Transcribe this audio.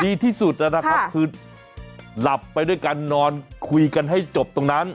ดีที่สุดนะครับคือหลับไปด้วยกันนอนคุยกันให้จบตรงนั้น